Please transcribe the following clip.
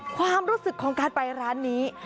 ความรู้สึกของการไปร้านนี้